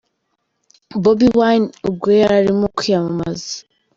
Bobi Wine ubwo yari arimo kwiyamamaza.